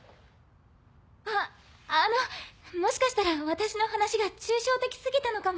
あっあのもしかしたら私の話が抽象的過ぎたのかも。